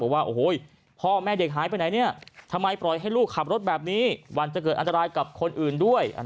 ว่าโอ้โหพ่อแม่เด็กหายไปไหนเนี่ยทำไมปล่อยให้ลูกขับรถแบบนี้วันจะเกิดอันตรายกับคนอื่นด้วย